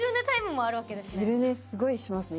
昼寝、すごいしますね。